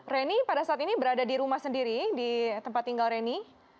reni pada saat ini berada di rumah sendiri di tempat tinggal reni